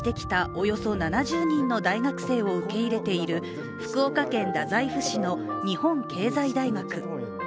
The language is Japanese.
およそ７０人の大学生を受け入れている福岡県太宰府市の日本経済大学。